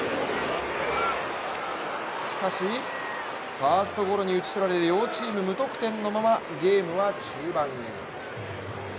しかしファーストゴロに打ち取られ両チーム無得点のままゲームは中盤へ。